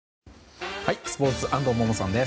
スポーツは安藤萌々さんです。